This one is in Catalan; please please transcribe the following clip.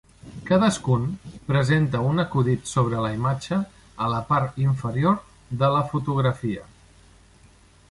Cadascun presenta un acudit sobre la imatge a la part inferior de la fotografia.